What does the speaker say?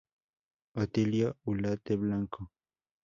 Otilio Ulate Blanco.